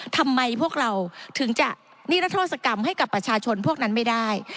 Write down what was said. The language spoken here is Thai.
ทำไมพวกเราถึงจะนิรโทษกรรมให้กับประชาชนพวกนั้นไม่ได้